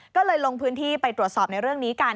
ก็เลยลงพื้นที่ไปตรวจสอบในเรื่องนี้กัน